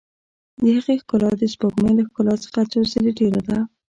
د هغې ښکلا د سپوږمۍ له ښکلا څخه څو ځلې ډېره ده.